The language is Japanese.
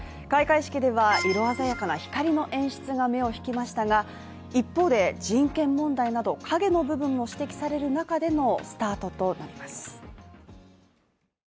開会式では色鮮やかな光の演出が目を引きましたが一方で人権問題など影の部分が指摘される中でのスタートとなります。